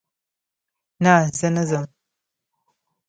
نه، زه نه ځم